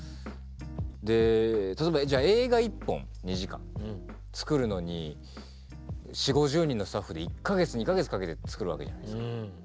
で例えば映画１本２時間作るのに４０５０人のスタッフで１か月２か月かけて作るわけじゃないですか。